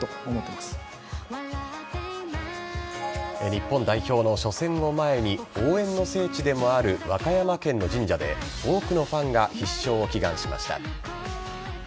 日本代表の初戦を前に応援の聖地でもある和歌山県の神社で多くのファンが必勝を祈願しました。